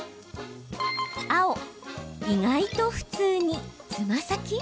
青・意外と普通につま先？